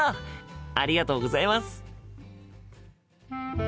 ありがとうございます。